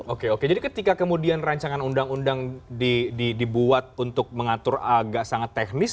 oke oke jadi ketika kemudian rancangan undang undang dibuat untuk mengatur agak sangat teknis